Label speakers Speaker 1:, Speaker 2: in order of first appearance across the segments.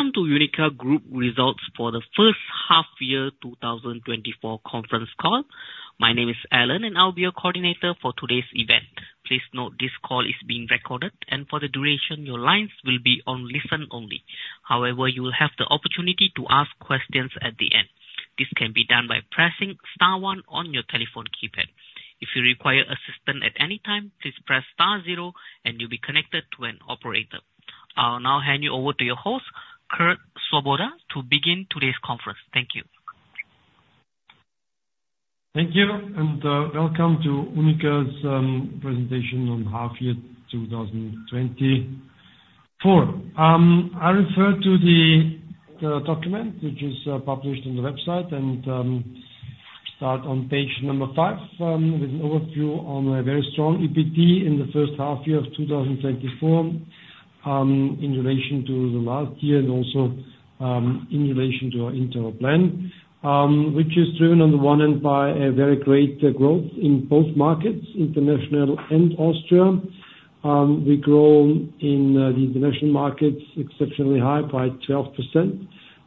Speaker 1: Welcome to UNIQA Group results for the first half year 2024 conference call. My name is Alan, and I'll be your coordinator for today's event. Please note this call is being recorded, and for the duration, your lines will be on listen only. However, you will have the opportunity to ask questions at the end. This can be done by pressing star one on your telephone keypad. If you require assistance at any time, please press star zero, and you'll be connected to an operator. I'll now hand you over to your host, Kurt Svoboda, to begin today's conference. Thank you.
Speaker 2: Thank you, and, welcome to UNIQA's, presentation on half year 2024. I refer to the document, which is, published on the website, and, start on page number 5, with an overview on a very strong EBT in the first half year of 2024, in relation to the last year and also, in relation to our internal plan, which is driven on the one hand by a very great, growth in both markets, international and Austria. We grow in, the international markets exceptionally high by 12%.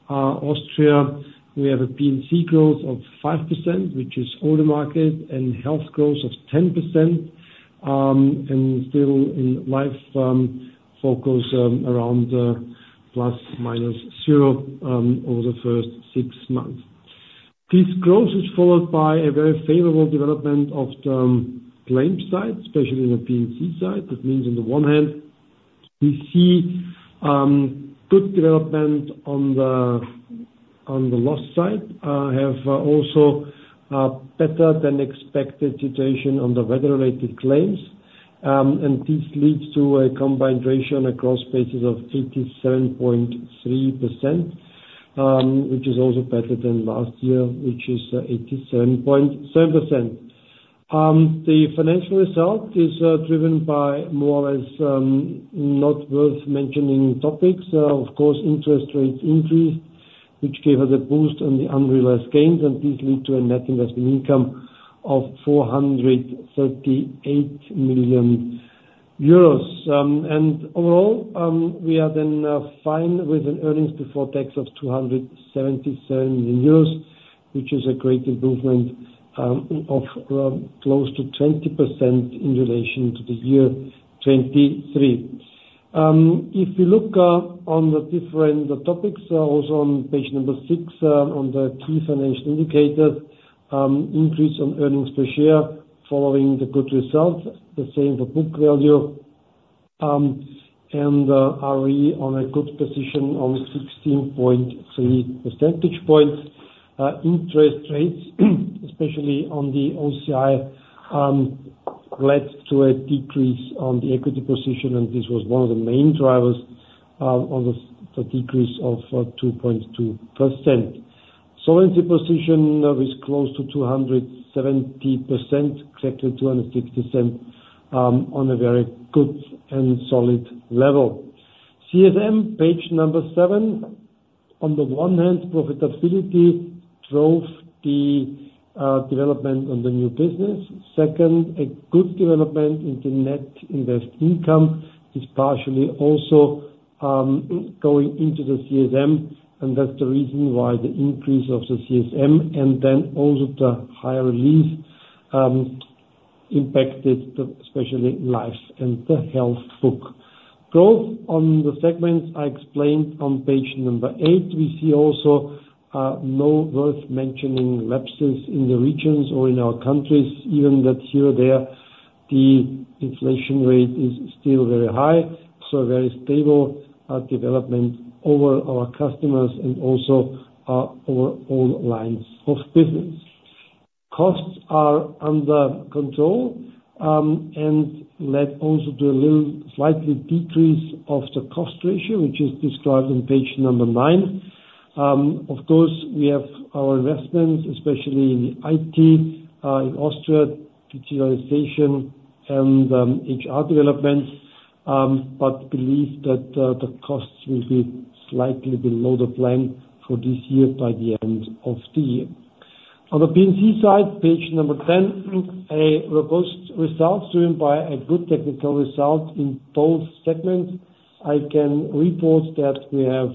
Speaker 2: Austria, we have a P&C growth of 5%, which is all the market, and health growth of 10%, and still in life, focus, around, plus, minus zero, over the first six months. This growth is followed by a very favorable development of the claim side, especially in the P&C side. That means, on the one hand, we see good development on the loss side and also a better than expected situation on the weather-related claims. And this leads to a combined ratio on a gross basis of 87.3%, which is also better than last year, which is 87.7%. The financial result is driven by more or less not worth mentioning topics. Of course, interest rates increased, which gave us a boost on the unrealized gains, and this lead to a net investment income of 438 million euros. And overall, we are then fine with an earnings before tax of 277 million euros, which is a great improvement of close to 20% in relation to the year 2023. If you look on the different topics, also on page 6 on the key financial indicators, increase on earnings per share following the good results, the same for book value, and we are on a good position on 16.3 percentage points. Interest rates, especially on the OCI, led to a decrease on the equity position, and this was one of the main drivers on the decrease of 2.2%. Solvency position is close to 270%, exactly 260%, on a very good and solid level. CSM, page number seven. On the one hand, profitability drove the development on the new business. Second, a good development in the net investment income is partially also going into the CSM, and that's the reason why the increase of the CSM and then also the higher lapse impacted the, especially life and the health book. Growth on the segments I explained on page number eight. We see also no worth mentioning lapses in the regions or in our countries, even though here or there, the inflation rate is still very high, so very stable development over our customers and also over all lines of business. Costs are under control and led also to a slight decrease of the cost ratio, which is described in page number nine. Of course, we have our investments, especially in IT, in Austria, digitalization and HR development, but believe that the costs will be slightly below the plan for this year by the end of the year. On the P&C side, page number ten, a robust result driven by a good technical result in both segments. I can report that we have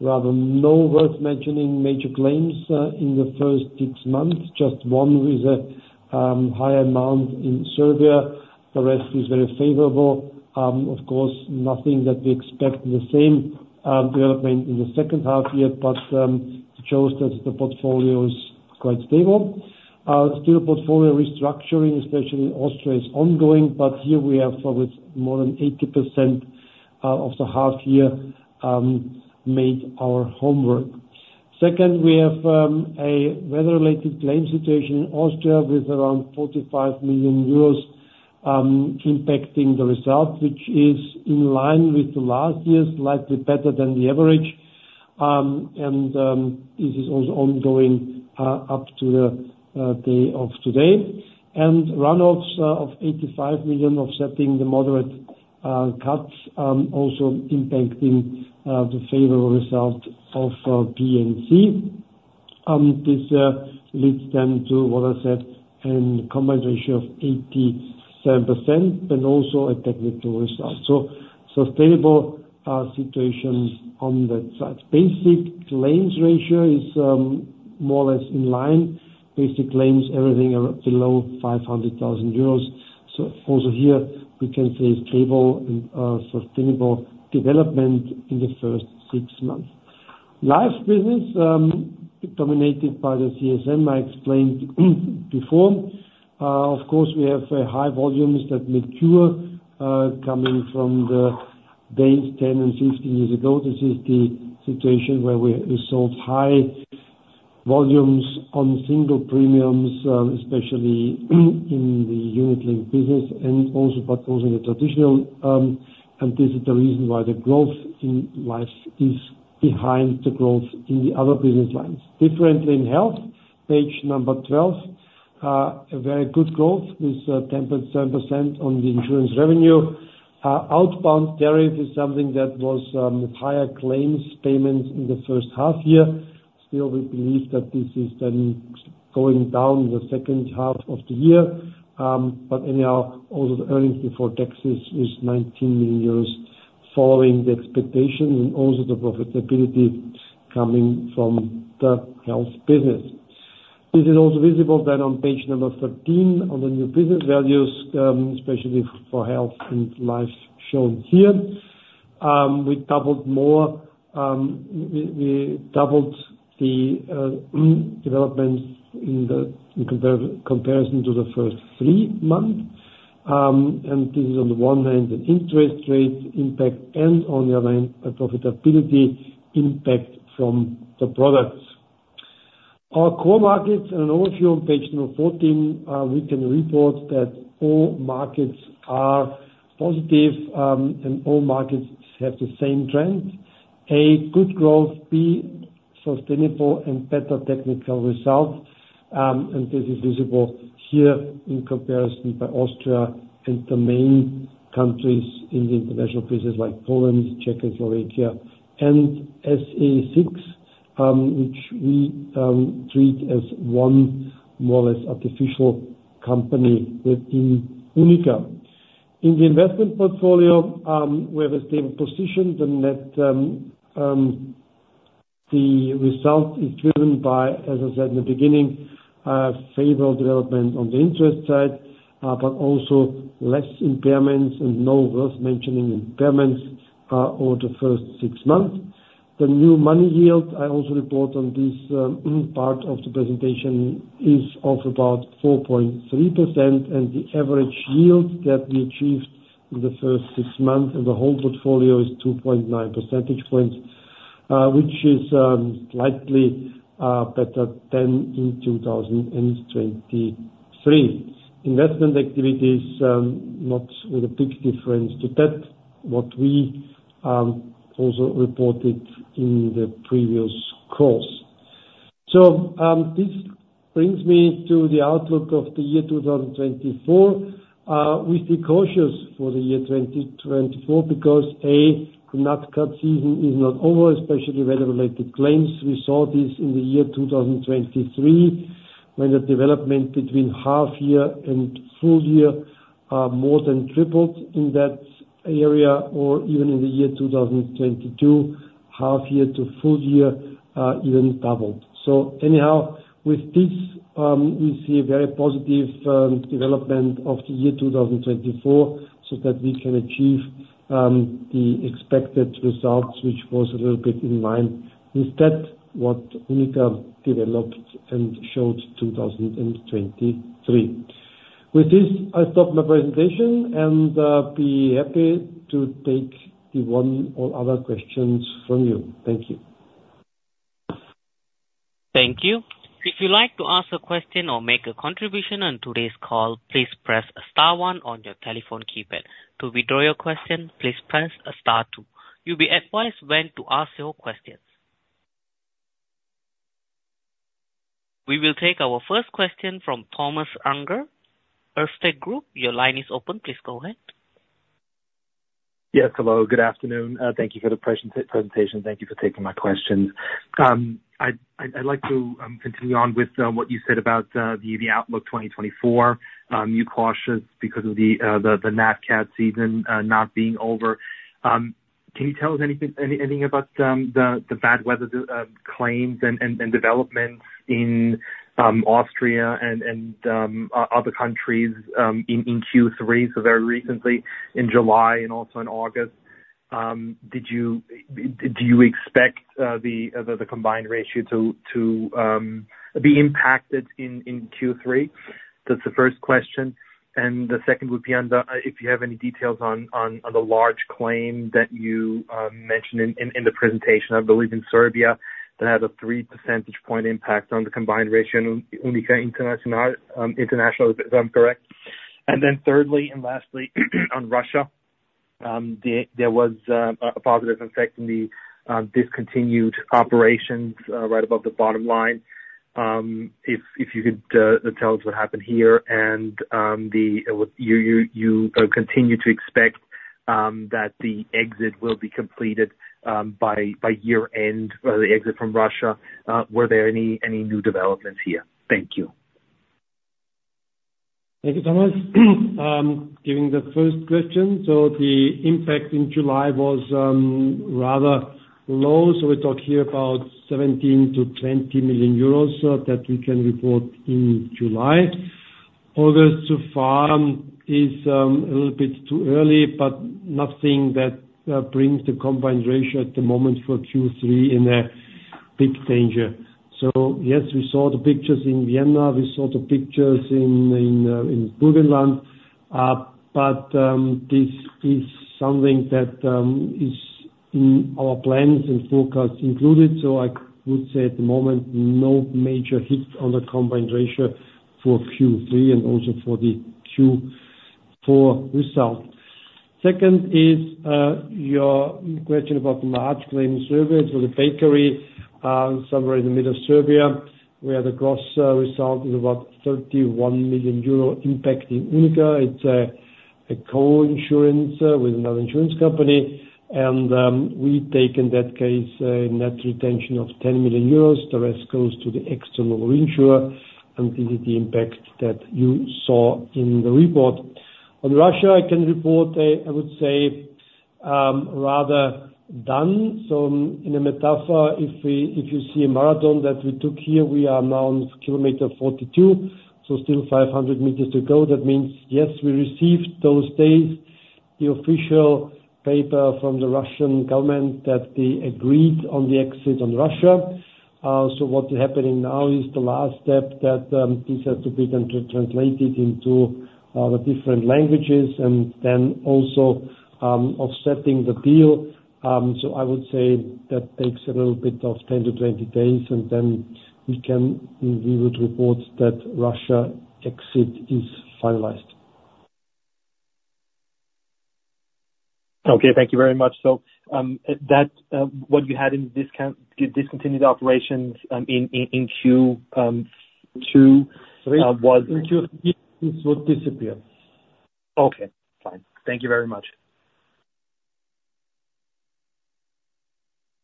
Speaker 2: rather no worth mentioning major claims in the first six months, just one with a high amount in Serbia. The rest is very favorable. Of course, nothing that we expect the same development in the second half year, but it shows that the portfolio is quite stable. Still portfolio restructuring, especially in Austria, is ongoing, but here we have covered more than 80% of the half year, made our homework. Second, we have a weather-related claim situation in Austria, with around 45 million euros impacting the result, which is in line with last year's, slightly better than the average. This is also ongoing up to the day of today. Runoffs of 85 million EUR, offsetting the moderate cuts, also impacting the favorable result of P&C. This leads then to what I said, an combination of 87% and also a technical result, so sustainable situation on that side. Basic claims ratio is more or less in line. Basic claims, everything are below 500,000 euros. Also here we can say stable and sustainable development in the first six months. Life business dominated by the CSM, I explained before. Of course, we have high volumes that mature coming from the days 10 and 15 years ago. This is the situation where we saw high volumes on single premiums, especially in the unit link business and also but also in the traditional, and this is the reason why the growth in life is behind the growth in the other business lines. Differently in health, page number 12, a very good growth with 10.7% on the insurance revenue. Outbound tariff is something that was with higher claims payments in the first half year. Still, we believe that this is then going down in the second half of the year. But anyhow, all of the earnings before taxes is 19 million euros, following the expectation and also the profitability coming from the health business. This is also visible then on page number thirteen, on the new business values, especially for health and life shown here. We doubled more, we doubled the developments in the comparison to the first three months. This is on the one hand, an interest rate impact, and on the other hand, a profitability impact from the products. Our core markets, and also on page number fourteen, we can report that all markets are positive, and all markets have the same trend. A, good growth, B, sustainable and better technical result. This is visible here in comparison by Austria and the main countries in the international business like Poland, Czech Republic, and SA Six, which we treat as one more or less artificial company with the UNIQA. In the investment portfolio, we have a stable position. The net result is driven by, as I said in the beginning, favorable development on the interest side, but also less impairments and no worth mentioning impairments over the first six months. The new money yield, I also report on this, part of the presentation, is also about 4.3%, and the average yield that we achieved in the first six months, and the whole portfolio is 2.9 percentage points, which is, slightly, better than in 2023. Investment activities, not with a big difference to that, what we, also reported in the previous quarter. This brings me to the outlook of the year 2024. We'll be cautious for the year 2024 because, A, the Nat Cat season is not over, especially weather-related claims. We saw this in the year 2023, when the development between half year and full year more than tripled in that area, or even in the year 2022, half year to full year, even doubled. So anyhow, with this, we see a very positive development of the year 2024, so that we can achieve the expected results, which was a little bit in line with that what UNIQA developed and showed 2023. With this, I stop my presentation, and be happy to take the one or other questions from you. Thank you.
Speaker 1: Thank you. If you'd like to ask a question or make a contribution on today's call, please press star one on your telephone keypad. To withdraw your question, please press star two. You'll be advised when to ask your questions. We will take our first question from Thomas Unger, Erste Group. Your line is open. Please go ahead.
Speaker 3: Yes, hello, good afternoon. Thank you for the presentation. Thank you for taking my questions. I'd like to continue on with what you said about the outlook 2024. You're cautious because of the Nat Cat season not being over. Can you tell us anything about the bad weather claims and developments in Austria and other countries in Q3? So very recently in July and also in August, do you expect the Combined Ratio to be impacted in Q3? That's the first question, and the second would be on the. If you have any details on the large claim that you mentioned in the presentation, I believe in Serbia, that had a three percentage point impact on the combined ratio in UNIQA International, if I'm correct, and then thirdly, and lastly, on Russia, there was a positive effect in the discontinued operations right above the bottom line. If you could tell us what happened here and you continue to expect-... that the exit will be completed by year end, or the exit from Russia. Were there any new developments here? Thank you.
Speaker 2: Thank you, Thomas. Regarding the first question, the impact in July was rather low, so we talk here about 17-20 million euros that we can report in July. Although so far is a little bit too early, but nothing that brings the combined ratio at the moment for Q3 in a big danger. Yes, we saw the pictures in Vienna. We saw the pictures in Burgenland, but this is something that is in our plans and forecast included, so I would say at the moment, no major hits on the combined ratio for Q3 and also for the Q4 result. Second is your question about the large claim survey. The bakery somewhere in the middle of Serbia, where the gross result is about 31 million euro impact in UNIQA. It's a co-insurance with another insurance company, and we take in that case a net retention of 10 million euros. The rest goes to the external insurer, and this is the impact that you saw in the report. On Russia, I can report I would say rather done. So in a metaphor, if you see a marathon that we took here, we are now on kilometer 42, so still 500 meters to go. That means, yes, we received those days the official paper from the Russian government that they agreed on the exit on Russia. So what is happening now is the last step that this has to be translated into the different languages and then also offsetting the bill. So I would say that takes a little bit of 10-20 days, and then we would report that Russia exit is finalized.
Speaker 3: Okay, thank you very much. So, what you had in discontinued operations in Q two was- In Q3, this would disappear. Okay, fine. Thank you very much.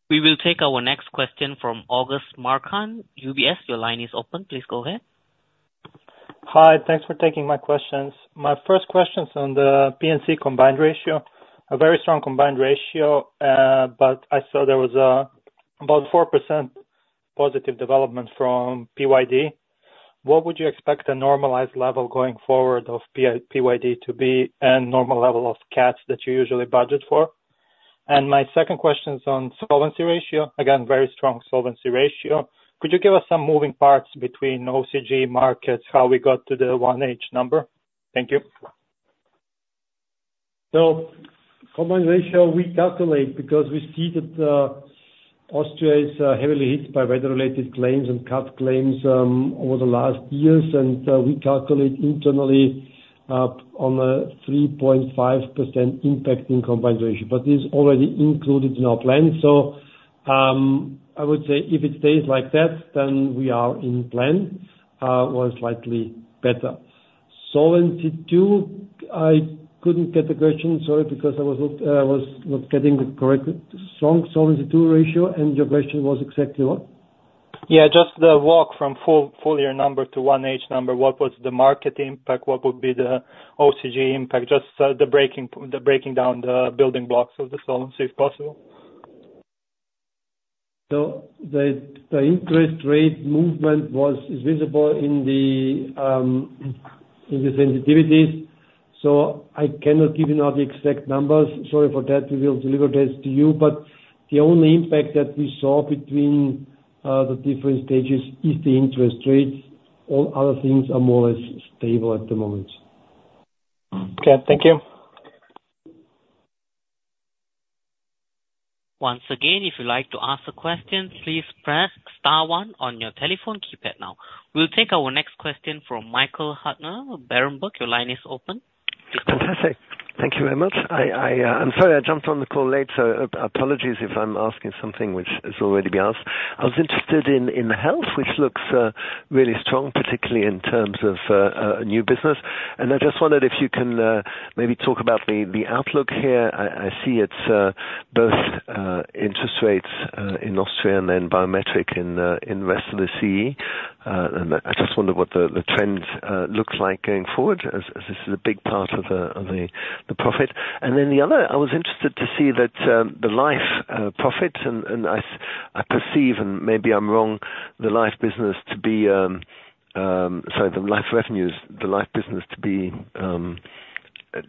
Speaker 1: We will take our next question from Augustus Markham. UBS, your line is open. Please go ahead.
Speaker 4: Hi, thanks for taking my questions. My first question's on the P&C combined ratio. A very strong combined ratio, but I saw there was about 4% positive development from PYD. What would you expect a normalized level going forward of PYD to be and normal level of cats that you usually budget for? And my second question is on solvency ratio. Again, very strong solvency ratio. Could you give us some moving parts between OCG markets, how we got to the 218 number? Thank you.
Speaker 2: Combined ratio, we calculate because we see that Austria is heavily hit by weather-related claims and CAT claims over the last years. And we calculate internally on a 3.5% impact in combined ratio, but this already included in our plan. I would say if it stays like that, then we are in plan or slightly better. Solvency II, I couldn't get the question, sorry, because I was not getting the correct... Strong solvency II ratio, and your question was exactly what?
Speaker 4: Yeah, just the walk from full year number to H1 number. What was the market impact? What would be the OCI impact? Just the breaking down the building blocks of the solvency, if possible.
Speaker 2: So the interest rate movement was, is visible in the sensitivities, so I cannot give you now the exact numbers. Sorry for that. We will deliver this to you, but the only impact that we saw between the different stages is the interest rates. All other things are more or less stable at the moment.
Speaker 4: Okay, thank you.
Speaker 1: Once again, if you'd like to ask a question, please press star one on your telephone keypad now. We'll take our next question from Michael Huttner, Berenberg. Your line is open.
Speaker 4: Fantastic. Thank you very much. I'm sorry I jumped on the call late, so apologies if I'm asking something which has already been asked. I was interested in health, which looks really strong, particularly in terms of new business. And I just wondered if you can maybe talk about the outlook here. I see it's both interest rates in Austria and then biometric in the rest of the CE. And I just wonder what the trend looks like going forward, as this is a big part of the profit. And then the other, I was interested to see that, the life profit, and I perceive, and maybe I'm wrong, the life business to be, sorry, the life revenues, the life business to be, less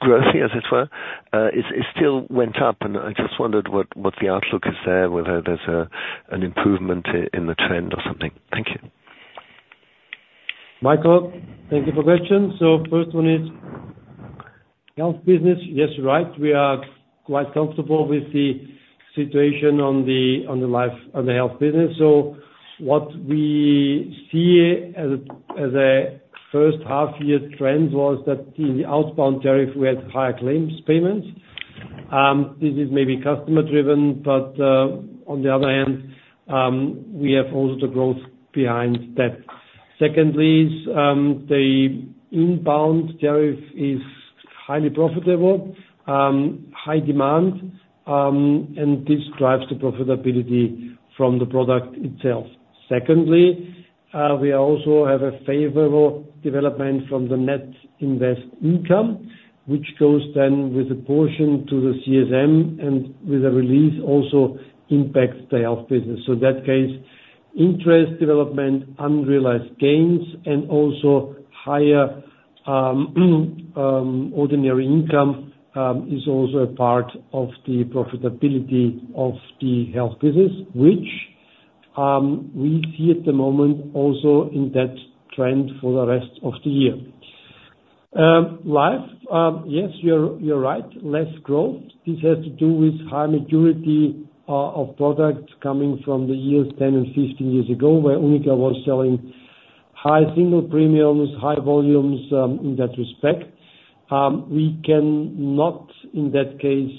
Speaker 4: growthy, as it were. It still went up, and I just wondered what the outlook is there, whether there's an improvement in the trend or something. Thank you.
Speaker 2: Michael, thank you for the question. First one is health business. Yes, you're right. We are quite comfortable with the situation on the life, on the health business. What we see as a first half-year trend was that in the outbound tariff, we had higher claims payments. This is maybe customer driven, but on the other hand, we have also the growth behind that. Secondly is the inbound tariff is highly profitable, high demand, and this drives the profitability from the product itself. Secondly, we also have a favorable development from the net investment income, which goes then with a portion to the CSM and with a release also impacts the health business. In that case, interest development, unrealized gains, and also higher ordinary income is also a part of the profitability of the health business, which we see at the moment also in that trend for the rest of the year. Life, yes, you're right, less growth. This has to do with high maturity of products coming from the years ten and fifteen years ago, where UNIQA was selling high single premiums, high volumes in that respect. We cannot, in that case,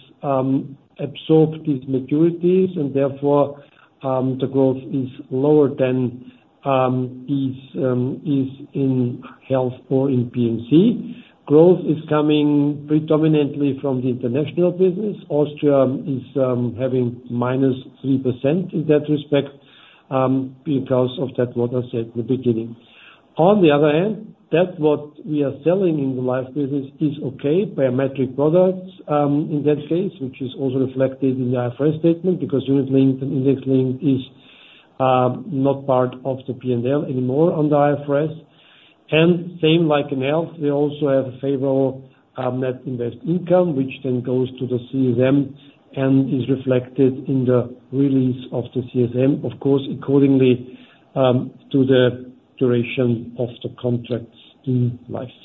Speaker 2: absorb these maturities and therefore the growth is lower than is in health or in PNC. Growth is coming predominantly from the international business. Austria is having minus 3% in that respect because of that, what I said at the beginning. On the other hand, what we are selling in the life business is okay. biometric products, in that case, which is also reflected in the IFRS statement, because unit-linked and index-linked is not part of the P&L anymore on the IFRS, and same like in health, we also have a favorable net investment income, which then goes to the CSM and is reflected in the release of the CSM, of course, accordingly to the duration of the contracts in life.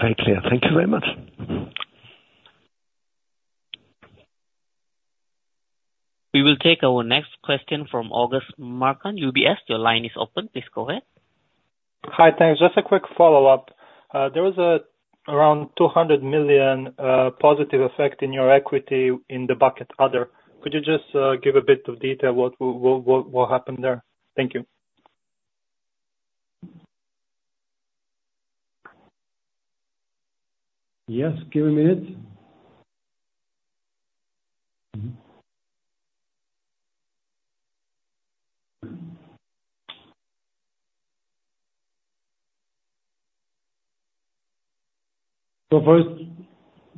Speaker 4: Very clear. Thank you very much.
Speaker 1: We will take our next question from Augustus Markham on UBS. Your line is open. Please go ahead.
Speaker 4: Hi. Thanks. Just a quick follow-up. There was around 200 million positive effect in your equity in the other bucket. Could you just give a bit of detail what happened there? Thank you.
Speaker 2: Yes, give me a minute. Mm-hmm. So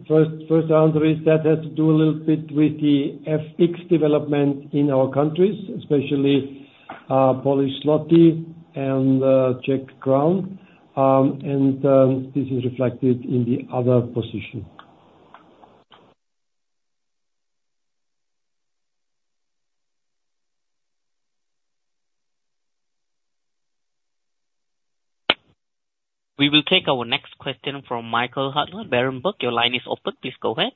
Speaker 2: first answer is that has to do a little bit with the FX development in our countries, especially Polish zloty and Czech crown. And this is reflected in the other position.
Speaker 1: We will take our next question from Michael Huttner, Berenberg. Your line is open. Please go ahead.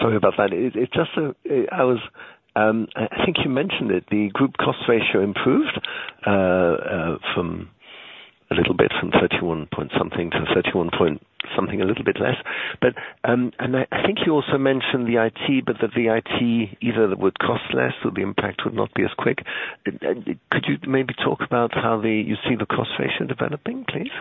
Speaker 5: Sorry about that. It just, I think you mentioned it, the group cost ratio improved from thirty-one point something to thirty-one point something a little bit less. But, and I think you also mentioned the IT, but the IT either would cost less or the impact would not be as quick. Could you maybe talk about how you see the cost ratio developing, please?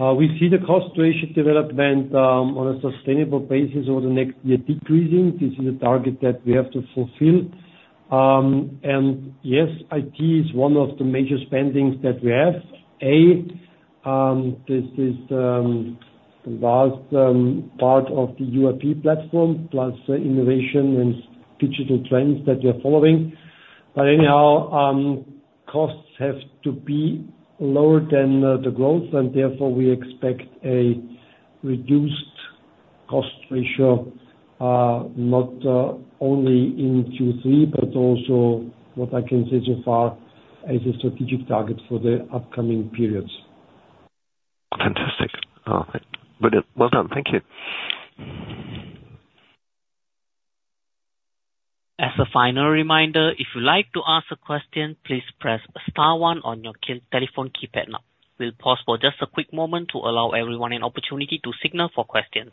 Speaker 2: We see the cost ratio development on a sustainable basis over the next year decreasing. This is a target that we have to fulfill. And yes, IT is one of the major spendings that we have. This is a vast part of the UIP platform, plus innovation and digital trends that we are following. But anyhow, costs have to be lower than the growth, and therefore, we expect a reduced cost ratio not only in Q3, but also what I can say so far, as a strategic target for the upcoming periods.
Speaker 5: Fantastic! Okay. Very good. Well done. Thank you.
Speaker 1: As a final reminder, if you'd like to ask a question, please press star one on your key telephone keypad now. We'll pause for just a quick moment to allow everyone an opportunity to signal for questions.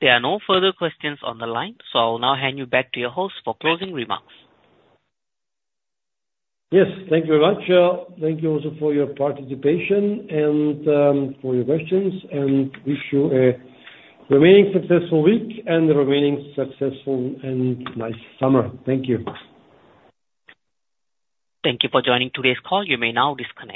Speaker 1: There are no further questions on the line, so I'll now hand you back to your host for closing remarks.
Speaker 2: Yes, thank you very much. Thank you also for your participation and, for your questions, and wish you a remaining successful week and a remaining successful and nice summer. Thank you.
Speaker 1: Thank you for joining today's call. You may now disconnect.